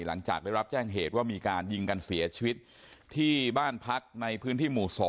หลังจากได้รับแจ้งเหตุว่ามีการยิงกันเสียชีวิตที่บ้านพักในพื้นที่หมู่๒